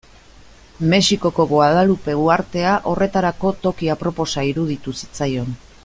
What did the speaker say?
Mexikoko Guadalupe uhartea horretarako toki aproposa iruditu zitzaion.